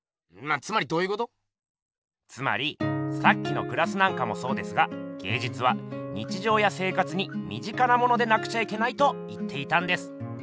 つまりさっきのグラスなんかもそうですが芸術は日じょうや生活にみ近なものでなくちゃいけないと言っていたんです。